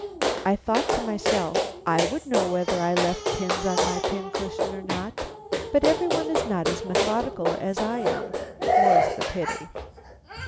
I thought to myself, "I would know whether I left pins on my pin cushion or not," but every one is not as methodical as I am, more's the pity.